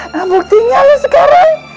nah buktinya lu sekarang